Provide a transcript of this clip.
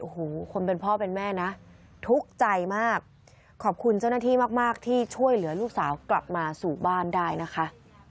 โอ้โหคนเป็นพ่อเป็นแม่นะทุกข์ใจมากขอบคุณเจ้าหน้าที่มากมากที่ช่วยเหลือลูกสาวกลับมาสู่บ้านได้นะคะ